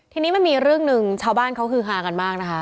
ทีนี้มันมีเรื่องหนึ่งชาวบ้านเขาฮือฮากันมากนะคะ